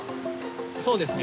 そうですね。